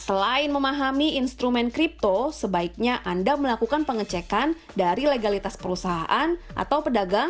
selain memahami instrumen kripto sebaiknya anda melakukan pengecekan dari legalitas perusahaan atau pedagang